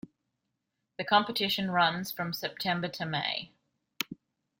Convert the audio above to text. The competition runs from September to May.